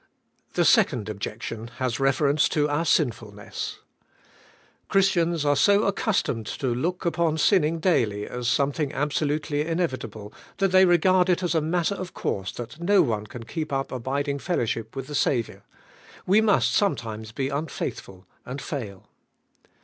The second objection has reference to our sinful ness. Christians are so acccustomed to look upon sinning daily as something absolutely inevitable, that they regard it as a matter of course that no one can 104 ABIDE IN CHRIST: keep up abidiog fellowship with the Saviour: we must sometimes be unfaithful and fail.